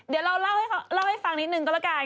เดี๋ยวเราเล่าให้ฟังนิดนึงก็แล้วกัน